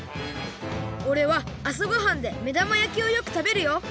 おれはあさごはんでめだまやきをよくたべるよ。